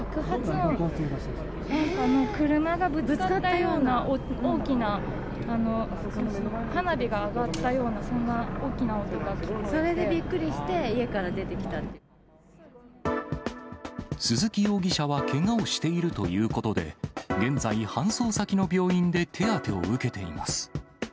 なんか車がぶつかったような大きな、花火が上がったような、それでびっくりして、家から鈴木容疑者はけがをしているということで、現在、搬送先の病院で手当てを受けています。